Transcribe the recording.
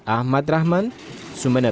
ahmad rahman sumeneb